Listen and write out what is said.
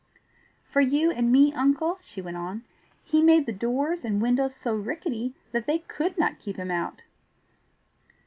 "For you and me, uncle," she went on, "he made the doors and windows so rickety that they COULD not keep him out."